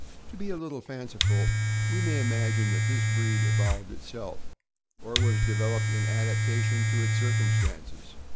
To be a little fanciful, we may imagine that this breed evolved itself, or was developed, in adaptation to its circum stances.